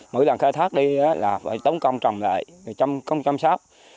mỗi lần khai thác đi là phải tống công trồng lại trồng công chăm sóc